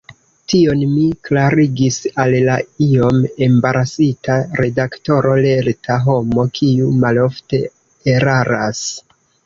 Tion mi klarigis al la iom embarasita redaktoro, lerta homo, kiu malofte eraras.